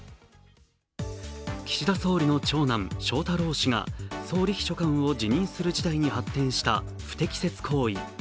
岸田総理の長男・翔太郎氏が総理秘書官を辞任する事態に発展した不適切行為。